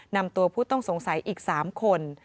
นำตัวผู้ต้องสงสัยอีก๓คน